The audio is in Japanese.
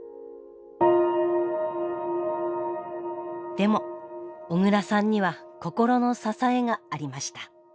でも小倉さんには心の支えがありました。